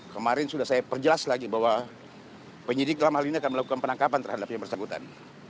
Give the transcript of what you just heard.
kemarin sudah saya perjelas lagi bahwa penyidik dalam hal ini akan melakukan penangkapan terhadap yang bersangkutan